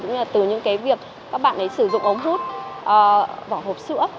và từ những cái việc các bạn ấy sử dụng ống hút vỏ hộp sữa